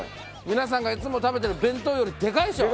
皆さんがいつも食べてる弁当よりでかいでしょ？